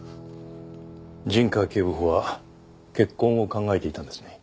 陣川警部補は結婚を考えていたんですね。